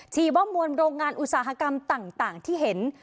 ว่ามวลโรงงานอุตสาหกรรมต่างที่เห็น